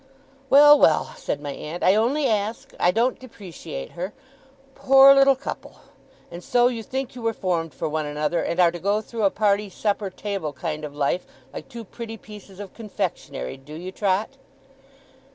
'Well, well!' said my aunt. 'I only ask. I don't depreciate her. Poor little couple! And so you think you were formed for one another, and are to go through a party supper table kind of life, like two pretty pieces of confectionery, do you, Trot?